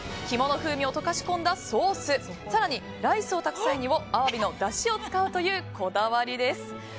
きもの風味を溶かし込んだソース更にライスを炊く際にもアワビのだしを使うというこだわりです。